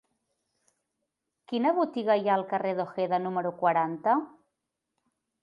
Quina botiga hi ha al carrer d'Ojeda número quaranta?